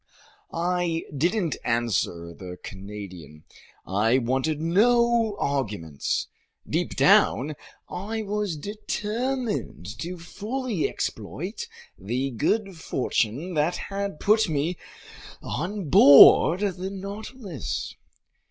I didn't answer the Canadian. I wanted no arguments. Deep down, I was determined to fully exploit the good fortune that had put me on board the Nautilus.